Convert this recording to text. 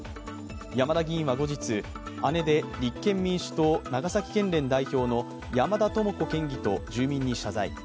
山田議員は後日、姉で立憲民主党長崎県連代表の山田朋子県議と住民に謝罪。